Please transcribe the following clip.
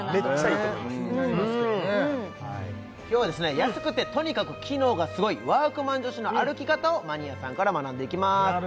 はい今日は安くてとにかく機能がすごい＃ワークマン女子の歩き方をマニアさんから学んでいきます